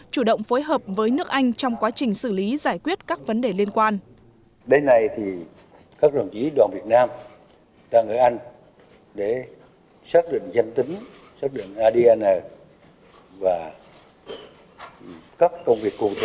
chủ động phối hợp với nước anh trong quá trình xử lý giải quyết các vấn đề liên quan